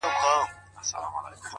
كړۍ ،كـړۍ لكه ځنځير ويـده دی،